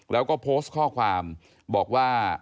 แล้วก็โพสต์ข้อความบอกว่า